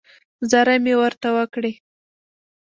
زارۍ مې ورته وکړې.